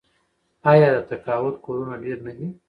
آیا د تقاعد کورونه ډیر نه دي؟